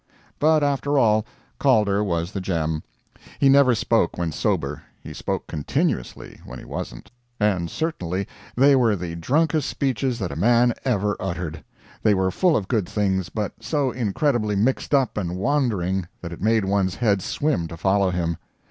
But after all, Calder was the gem. He never spoke when sober, he spoke continuously when he wasn't. And certainly they were the drunkest speeches that a man ever uttered. They were full of good things, but so incredibly mixed up and wandering that it made one's head swim to follow him.